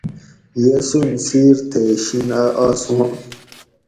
یسون سیر تے شِن آسمان